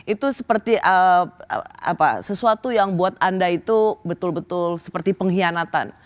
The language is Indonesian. itu seperti sesuatu yang buat anda itu betul betul seperti pengkhianatan